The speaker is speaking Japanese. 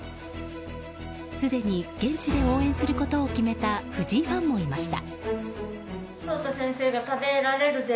すでに現地で応援することを決めた藤井ファンもいました。